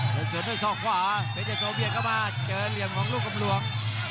แล้วสวนด้วยศอกขวาเพชรยะโสเวียดเข้ามาเจอเหลี่ยมของลูกกำหลวง